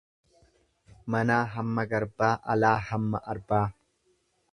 Manaa hamma garbaa alaa hamma Arbaa.